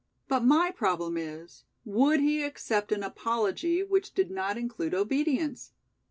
But my problem is, would he accept an apology which did not include obedience?